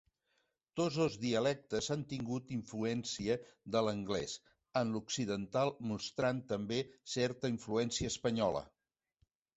Tots dos dialectes han tingut influència de l'anglès, amb l'occidental mostrant també certa influència espanyola.